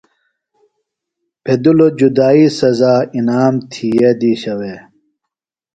پھیدِلوۡ جدائی سزا انعام تھیئے دیشہ وے۔